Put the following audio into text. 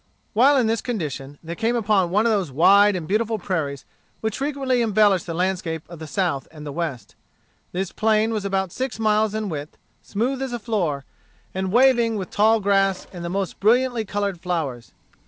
While in this condition they came upon one of those wide and beautiful prairies which frequently embellish the landscape of the South and the West This plain was about six miles in width, smooth as a floor, and waving with tall grass and the most brilliantly colored flowers.